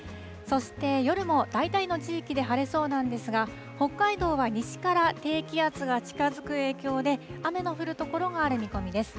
そして、夜も大体の地域で晴れそうなんですが、北海道は西から低気圧が近づく影響で、雨の降る所がある見込みです。